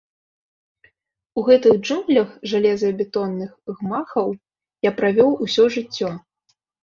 У гэтых джунглях жалезабетонных гмахаў я правёў усё жыццё.